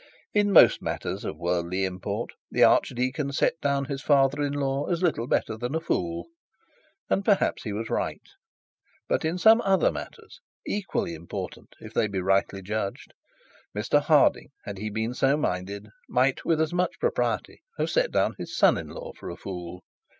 In most matters of worldly import the archdeacon set down his father in law as little better than a fool. And perhaps he was right. But in some other matters, equally important if they be rightly judged, Mr Harding, had he been so minded, might with as much propriety have set down his son in law for a fool.